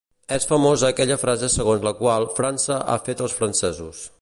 És famosa aquella frase segons la qual ‘França ha fet els francesos’.